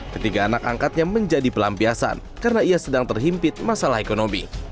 ketiga anak angkatnya menjadi pelampiasan karena ia sedang terhimpit masalah ekonomi